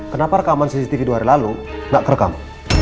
kenapa rekaman cctv dua hari lalu gak kerekam